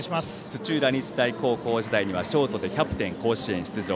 土浦日大高校時代にはショート、キャプテンとして甲子園出場。